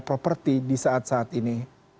properti di saat saat ini